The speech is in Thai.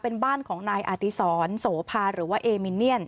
เป็นบ้านของนายอดีศรโสภาหรือว่าเอมิเนียน